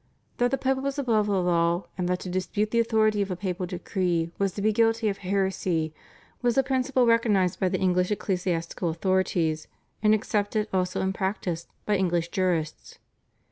That the Pope was above the law and that to dispute the authority of a papal decree was to be guilty of heresy was a principle recognised by the English ecclesiastical authorities and accepted also in practice by English jurists.